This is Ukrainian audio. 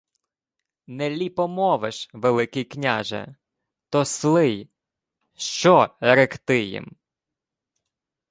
— Не ліпо мовиш, Великий княже... То сли й... Що ректи їм?